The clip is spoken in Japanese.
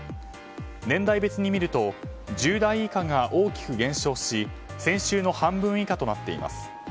年代別に見ると１０代以下が大きく減少し先週の半分以下となっています。